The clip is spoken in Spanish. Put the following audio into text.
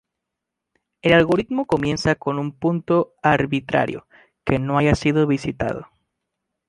El algoritmo comienza por un punto arbitrario que no haya sido visitado.